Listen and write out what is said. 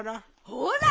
ほら！